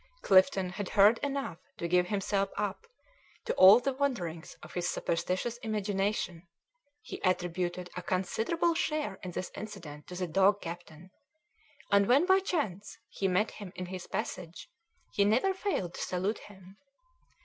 Clifton had heard enough to give himself up to all the wanderings of his superstitious imagination; he attributed a considerable share in this incident to the dog captain, and when by chance he met him in his passage he never failed to salute him.